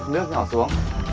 nước nhỏ xuống